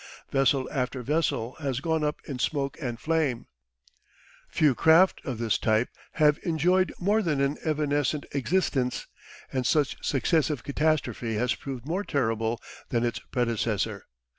Vessel after vessel has gone up in smoke and flame: few craft of this type have enjoyed more than an evanescent existence; and each successive catastrophe has proved more terrible than its predecessor.